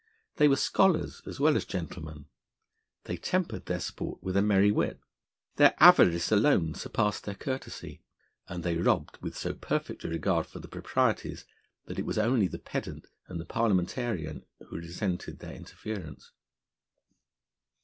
They were scholars as well as gentlemen; they tempered their sport with a merry wit; their avarice alone surpassed their courtesy; and they robbed with so perfect a regard for the proprieties that it was only the pedant and the parliamentarian who resented their interference.